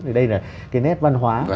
thì đây là cái nét văn hóa